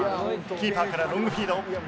キーパーからロングフィード。